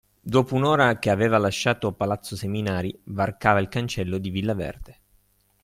Dopo un'ora che aveva lasciato palazzo Seminari varcava il cancello di Villa Verde.